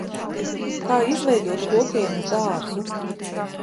Kā izveidot kopienas dārzu?